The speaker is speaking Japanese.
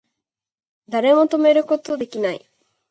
誰も止めること出来ない